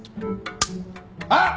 あっ！